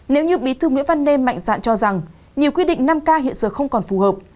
nếu như bí thư nguyễn văn nên mạnh dạn cho rằng nhiều quy định năm k hiện giờ không còn phù hợp